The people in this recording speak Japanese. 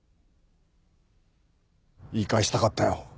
言い返したかったよ。